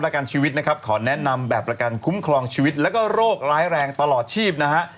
กันชีวิตนะครับขอแนะนำแบบประกันคุ้มครองชีวิตแล้วก็โรคร้ายแรงตลอดชีพนะฮะ